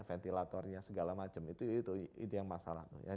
ventilatornya segala macam itu yang masalah